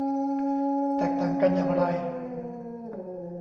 แตกต่างกันอย่างไร